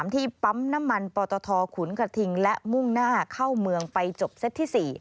ที่ปั๊มน้ำมันปตทขุนกระทิงและมุ่งหน้าเข้าเมืองไปจบเซตที่๔